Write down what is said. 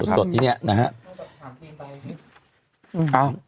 สตรวจที่นี่นะครับ